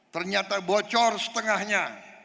ternyata bocor setengahnya